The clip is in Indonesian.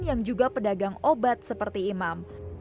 yang juga pedagang obat seperti imam